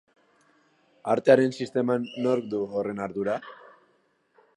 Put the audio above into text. Artearen sisteman nork du horren ardura?